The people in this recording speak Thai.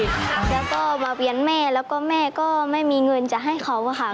แล้วก็มาเวียนแม่แล้วก็แม่ก็ไม่มีเงินจะให้เขาค่ะ